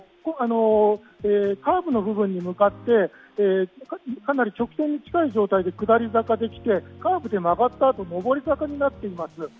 カーブの部分に向かってかなり直線に近い状態で下り坂で来て、カーブで曲がったあと、上り坂になっています。